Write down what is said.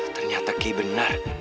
ternyata kay benar